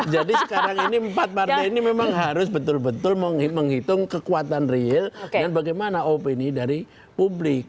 jadi sekarang ini empat partai ini memang harus betul betul menghitung kekuatan real dan bagaimana opini dari publik